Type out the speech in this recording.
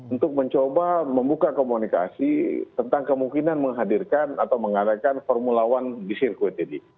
untuk mencoba membuka komunikasi tentang kemungkinan menghadirkan atau mengadakan formula one di sirkuit ini